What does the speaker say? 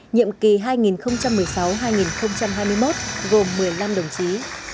nhiệm kỳ hai nghìn một mươi sáu hai nghìn hai mươi một gồm một mươi năm đồng chí